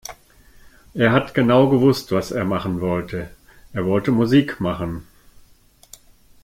Er hat genau gewusst was er machen wollte. Er wollte Musik machen.